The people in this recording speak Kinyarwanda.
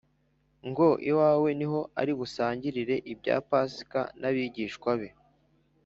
ngo iwawe ni ho ari busangirire ibya Pasika n’abigishwa be.’